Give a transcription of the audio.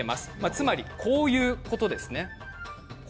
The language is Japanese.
つまり、こういうことですね。